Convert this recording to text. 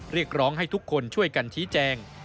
เรียกร้องให้ทุกคนช่วยกันชี้แจง